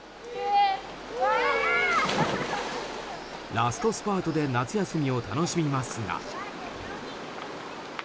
ラストスパートで夏休みを楽しみますが。